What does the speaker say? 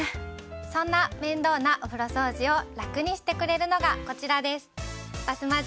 そんな面倒なお風呂掃除を楽にしてくれるのがこちらです。